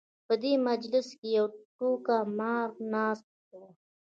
په دې مجلس کې یو ټوکه مار ناست و.